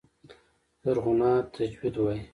زرغونه تجوید وايي.